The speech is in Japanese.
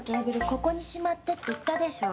ここにしまってって言ったでしょ。